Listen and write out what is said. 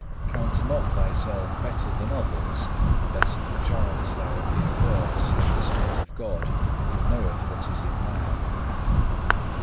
3. Count not thyself better than others, lest perchance thou appear worse in the sight of God, who knoweth what is in man.